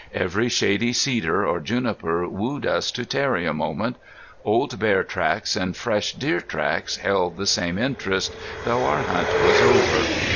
Every shady cedar or juniper wooed us to tarry a moment. Old bear tracks and fresh deer tracks held the same interest, though our hunt was over.